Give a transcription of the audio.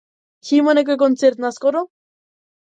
Ќе има некој концерт наскоро?